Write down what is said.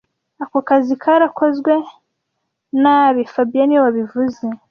Ako kazi karakozwe nabi fabien niwe wabivuze